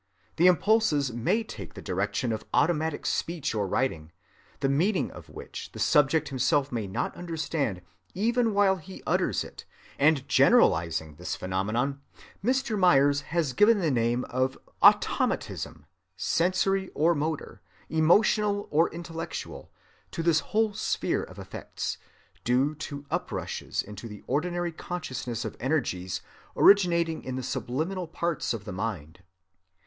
The impulses may take the direction of automatic speech or writing, the meaning of which the subject himself may not understand even while he utters it; and generalizing this phenomenon, Mr. Myers has given the name of automatism, sensory or motor, emotional or intellectual, to this whole sphere of effects, due to "uprushes" into the ordinary consciousness of energies originating in the subliminal parts of the mind.